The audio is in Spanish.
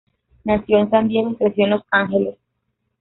Nació en San Diego y creció en Los Angeles.